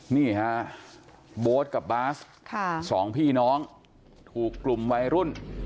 นี่ฮะโบ๊ทกับบาสสองพี่น้องถูกกลุ่มวัยรุ่น